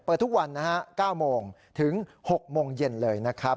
ทุกวันนะฮะ๙โมงถึง๖โมงเย็นเลยนะครับ